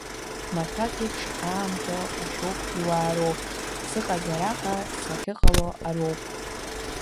Маҭәак еиԥш аамҭа ушәуп иуаароуп, сыҟаз араҟа сахьыҟало ароуп.